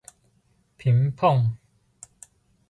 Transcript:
ピンポン